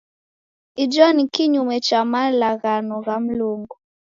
Ijo ni kinyume cha malaghano gha Mlungu.